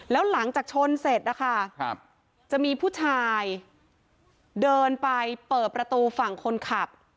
แล้วหลังจากชนเสร็จนะคะจะมีผู้ชายเดินไปเปิดประตูฝั่งคนขับ